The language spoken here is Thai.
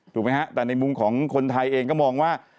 ถูกไหมฮะแต่ในมุมของคนไทยเองก็มองว่า